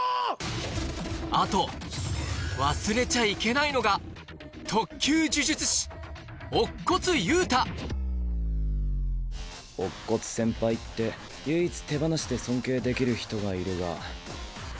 あと忘れちゃいけないのが乙骨先輩って唯一手放しで尊敬できる人がいるが。